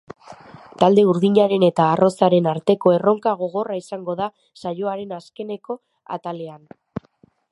Talde urdinaren eta arrosaren arteko erronka gogorra izango da saioaren azkeneko atalean.